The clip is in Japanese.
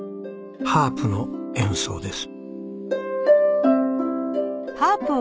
ハープの演奏です。